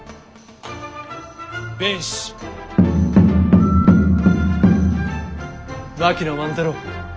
弁士槙野万太郎。